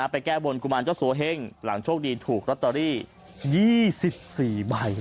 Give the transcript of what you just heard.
แก้บนกุมารเจ้าสัวเฮ่งหลังโชคดีถูกลอตเตอรี่๒๔ใบ